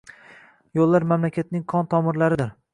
Yo‘llar mamlakatning qon tomirlaridir